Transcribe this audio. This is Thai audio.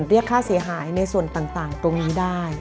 เรียกค่าเสียหายในส่วนต่างตรงนี้ได้